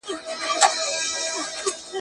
ایا نوي کروندګر پسته اخلي؟